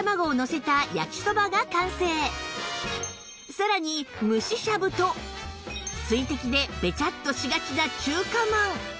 さらに蒸ししゃぶと水滴でベチャッとしがちな中華まん